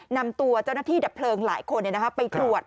นำตัวเจ้าหน้าที่ดับเพลิงหลายคนไปตรวจ